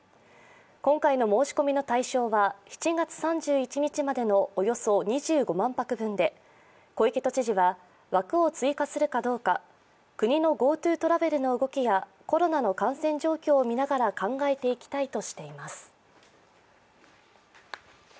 今回の申し込みの対象は７月３１日までのおよそ２５万泊分で小池都知事は、枠を追加するかどうか、国のＧｏＴｏトラベルの動きやコロナの感染状況を見ながら考えていきたいとしています。